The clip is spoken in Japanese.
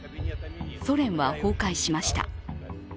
ソ連は崩壊しました。